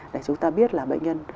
để chúng ta biết là bệnh nhân